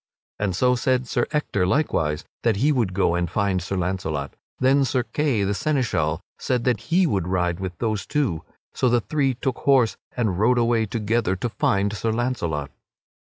And so said Sir Ector likewise, that he would go and find Sir Launcelot. Then Sir Kay the Seneschal said that he would ride with those two; so the three took horse and rode away together to find Sir Launcelot.